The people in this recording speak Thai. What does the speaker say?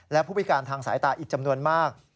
และผู้พิการทางสายตาอีกจำนวนมาก